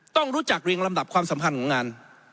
ต้องรู้จักเรียงลำดับความสัมพันธ์ของงาน